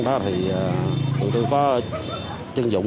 chúng tôi có chân dụng